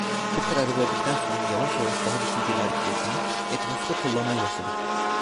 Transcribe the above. Bu kararı verdikten sonra yavaş yavaş daha düşünceli hareket etmeye, etrafı da kollamaya başladım.